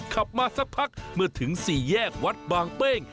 ขับมาสักพักเมื่อถึง๔แยกวัดบางเป้ง